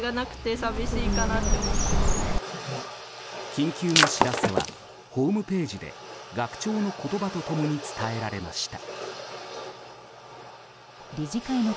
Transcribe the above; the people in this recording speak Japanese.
緊急の知らせはホームページで学長の言葉と共に伝えられました。